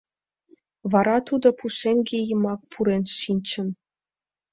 Вара тудо пушеҥге йымак пурен шинчын;